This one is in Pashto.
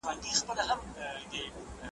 روښانه فکر جنجال نه خپروي.